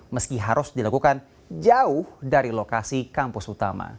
meski harus dilakukan jauh dari lokasi kampus utama